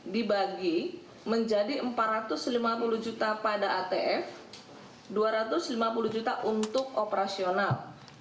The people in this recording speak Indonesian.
dibagi menjadi empat ratus lima puluh juta pada atf dua ratus lima puluh juta untuk operasional